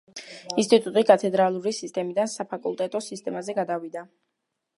ინსტიტუტი კათედრალური სისტემიდან საფაკულტეტო სისტემაზე გადავიდა.